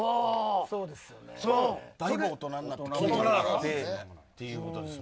だいぶ大人になって奇麗になってということですよね。